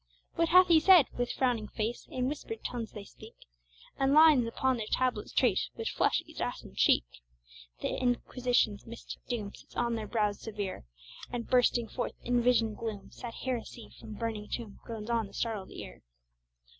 What hath he said? With frowning face, In whispered tones they speak, And lines upon their tablets trace, Which flush each ashen cheek; The Inquisition's mystic doom Sits on their brows severe, And bursting forth in visioned gloom, Sad heresy from burning tomb Groans on the startled ear.